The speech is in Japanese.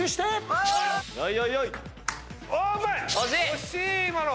惜しい今の。